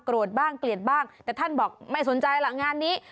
บ้างเกลียดบ้างแต่ท่านบอกไม่สนใจล่ะงานนี้